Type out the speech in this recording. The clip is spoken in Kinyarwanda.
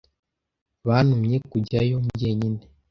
Bantumye kujyayo jyenyine.